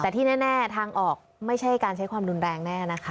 แต่ที่แน่ทางออกไม่ใช่การใช้ความรุนแรงแน่นะคะ